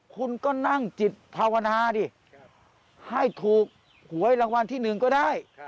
คุณก็นั่งจิตภาวนาดิครับให้ถูกหวยรางวัลที่หนึ่งก็ได้ครับ